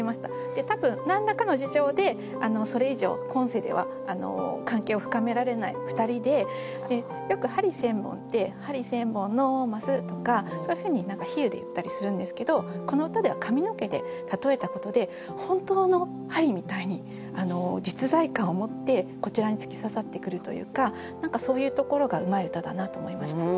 多分何らかの事情でそれ以上今世では関係を深められない２人でよく「針千本」って「針千本のます！」とかそういうふうに比喩で言ったりするんですけどこの歌では髪の毛でたとえたことで本当の針みたいに実在感を持ってこちらに突き刺さってくるというか何かそういうところがうまい歌だなと思いました。